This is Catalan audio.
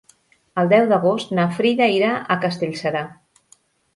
El deu d'agost na Frida irà a Castellserà.